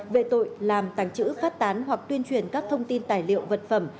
về tội làm tàng trữ phát tán hoặc tuyên truyền các thông tin tài liệu vật phẩm